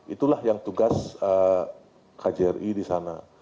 itulah yang tugas kjri di sana